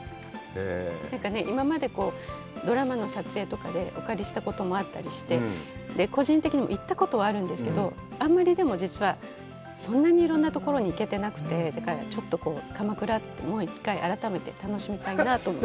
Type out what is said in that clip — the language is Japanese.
今までドラマの撮影とかでお借りしたこともあったりして、個人的にも、行ったことはあるんですけど、あんまりでも実は、そんなにいろんなところに行けてなくて、だからちょっとこう、鎌倉も１回、改めて楽しみたいなと思って。